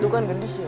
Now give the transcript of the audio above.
itu kan genis ya